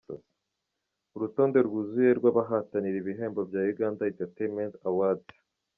Urutonde rwuzuye rw’abahatanira ibihembo bya Uganda Entertainment Awards.